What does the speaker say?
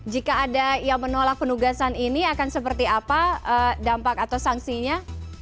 jika ada yang menolak penugasan ini akan seperti apa dampak atau sanksinya